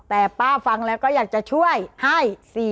ว่าจริงูฟังแล้วก็อยากจะช่วยให้๔๒๐๐